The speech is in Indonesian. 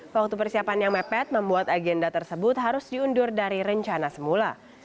waktu persiapan yang mepet membuat agenda tersebut harus diundur dari rencana semula